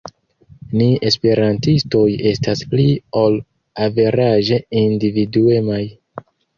Ni esperantistoj estas pli ol averaĝe individuemaj.